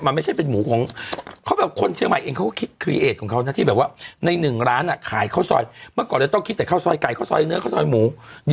มันไม่ใช่เป็นหมูของเขาแบบคนเชียงใหม่เองเขาก็คิด